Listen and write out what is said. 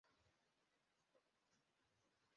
Tofauti muhimu ni tabia no.